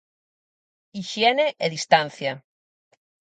Hixiene e distancia.